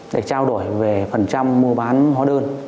để trao đổi về phần trăm mua bán hóa đơn